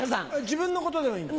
自分のことでもいい？